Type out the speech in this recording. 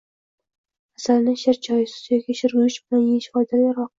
Asalni shirchoy, sut yoki shirguruch bilan yeyish foydaliroq.